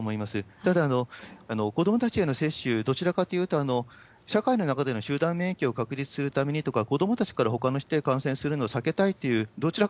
ただ、子どもたちへの接種、どちらかというと、社会の中での集団免疫を確立するためにとか、子どもたちからほかの人へ感染するのを避けたいという、どちらか